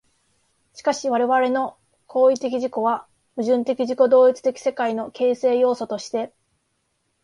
しかし我々の行為的自己は、矛盾的自己同一的世界の形成要素として、